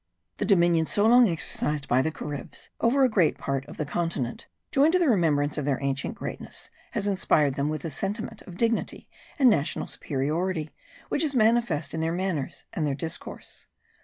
The dominion so long exercised by the Caribs over a great part of the continent, joined to the remembrance of their ancient greatness, has inspired them with a sentiment of dignity and national superiority which is manifest in their manners and their discourse.